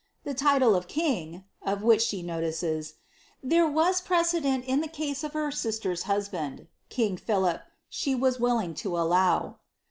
The title of king," of which she notices, " there was ] dent in the case of her sister's husband, king Philip, she was will allow."